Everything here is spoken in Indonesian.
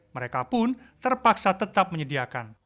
mereka pun terpaksa tetap menyediakan